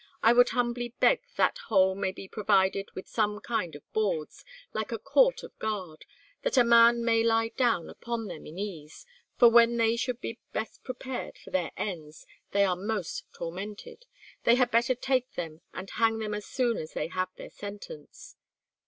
I would humbly beg that hole may be provided with some kind of boards, like a court of guard, that a man may lie down upon them in ease; for when they should be best prepared for their ends they are most tormented; they had better take them and hang them as soon as they have their sentence."